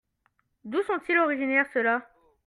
D'où sont-ils originaire ceux-là ?